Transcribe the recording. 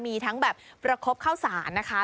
มีทั้งแบบประคบข้าวสารนะคะ